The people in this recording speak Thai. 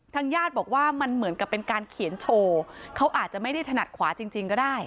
ญาติบอกว่ามันเหมือนกับเป็นการเขียนโชว์เขาอาจจะไม่ได้ถนัดขวาจริงก็ได้